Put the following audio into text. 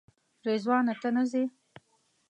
رضوانه ته نه ځې؟